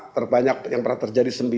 terbanyak yang pernah terjadi